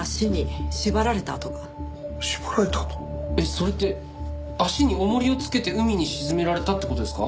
それって足に重りをつけて海に沈められたって事ですか？